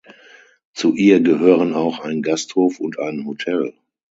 Zu ihr gehören auch ein Gasthof und ein Hotel.